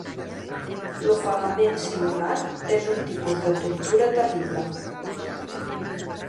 L'ofegament simulat és un tipus de tortura terrible.